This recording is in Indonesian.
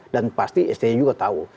dan pasti stu juga tahu